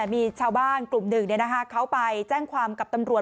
มีชาวบ้านกลุ่มหนึ่งเขาไปแจ้งความกับตำรวจ